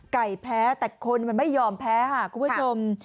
แพ้แต่คนมันไม่ยอมแพ้ค่ะคุณผู้ชม